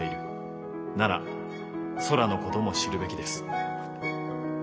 なら空のことも知るべきです。